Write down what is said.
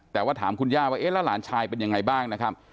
แต่ว่าถามคุณย่าว่าเอ๊ะแล้วหลานชายเป็นยังไงบ้างนะครับ